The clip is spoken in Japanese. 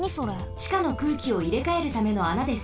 ちかの空気をいれかえるためのあなです。